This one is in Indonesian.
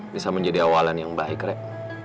bisa menjadi awalan yang baik rek